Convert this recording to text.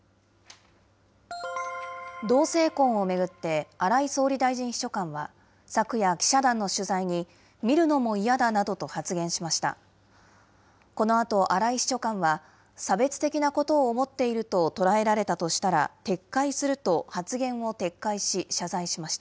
同性婚を巡って、荒井総理大臣秘書官は、昨夜、記者団の取材に見るのも嫌だなどと発言しました。